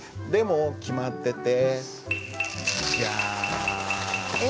でも決まっててジャン。